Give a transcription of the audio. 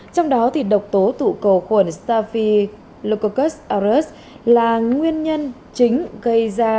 trong đó độc tố tụ cầu khuẩn staphylococcus aureus là nguyên nhân chính gây ra